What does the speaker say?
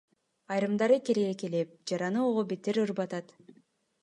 Айрымдары келекелеп, жараны ого бетер ырбатат.